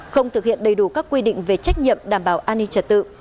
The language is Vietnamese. không thực hiện đầy đủ các quy định về trách nhiệm đảm bảo an ninh trật tự